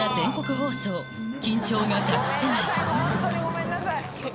ホントにごめんなさい。